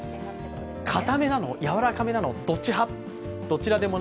かためなの、やわらかめなの、どっち派？